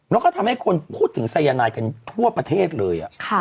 แล้วก็ทำให้คนพูดถึงสายนายกันทั่วประเทศเลย